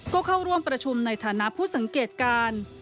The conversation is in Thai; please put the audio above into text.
ก็เข้าร่วมประชุมในฐานะผู้สังเกตการ